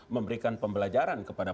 memberikan pembelajaran kepada